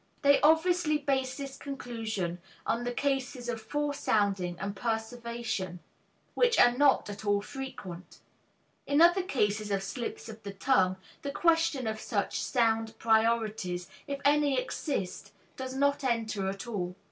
They obviously base this conclusion on the cases of fore sounding and perseveration which are not at all frequent; in other cases of slips of the tongue the question of such sound priorities, if any exist, does not enter at all.